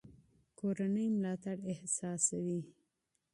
کورنۍ ملاتړ احساسوي.